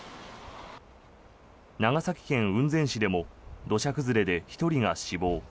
長崎県雲仙市でも土砂崩れで１人が死亡。